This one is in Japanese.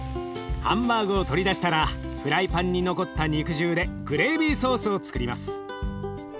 ハンバーグを取り出したらフライパンに残った肉汁でグレービーソースをつくります。